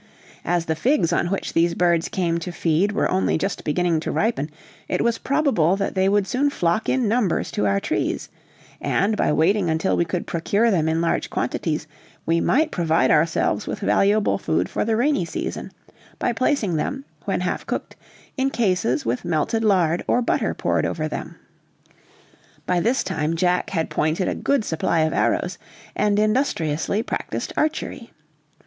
As the figs on which these birds came to feed were only just beginning to ripen, it was probable that they would soon flock in numbers to our trees; and by waiting until we could procure them in large quantities, we might provide ourselves with valuable food for the rainy season, by placing them, when half cooked, in cases with melted lard or butter poured over them. By this time Jack had pointed a good supply of arrows, and industriously practiced archery.